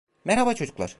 Merhaba çocuklar.